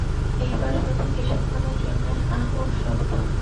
একবার শুধু কিছুক্ষণের জন্যে আহ উহ শব্দ।